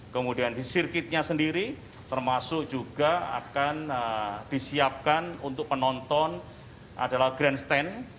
kemudian di sirkuitnya sendiri termasuk juga akan disiapkan untuk penonton adalah grandstand